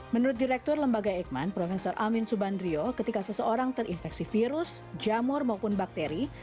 menurut direktur lembaga eijkman prof amin subandrio ketika seseorang terinfeksi virus jamur maupun bakteri